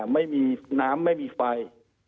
ไม่มีน้ำไม่มีไฟ